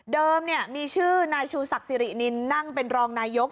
มีชื่อนายชูศักดิรินินนั่งเป็นรองนายก